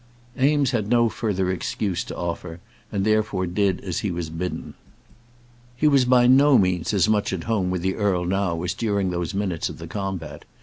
Eames had no further excuse to offer, and therefore did as he was bidden. He was by no means as much at home with the earl now as during those minutes of the combat.